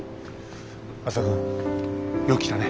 篤人君よく来たね。